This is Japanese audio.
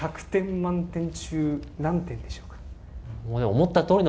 満点中何点でしょうか。